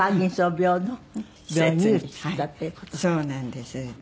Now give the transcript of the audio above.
そうなんです。